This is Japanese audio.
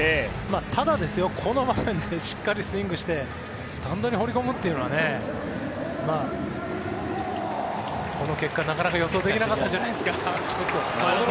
ただ、この場面でしっかりスイングしてスタンドに放り込むっていうのはこの結果、なかなか予想できなかったんじゃないですか。